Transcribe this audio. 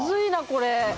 これ。